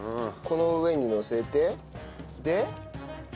この上にのせてで？